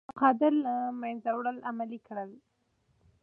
غلام قادر له منځه وړل عملي کړئ.